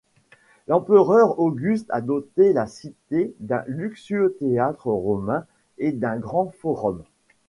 L'empereur Auguste a doté la cité d'un luxueux théâtre romain et d'un grand forum.